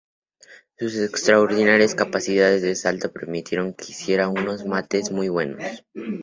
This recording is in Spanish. Sus extraordinarias capacidades de salto permitieron que hiciera unos mates muy buenos.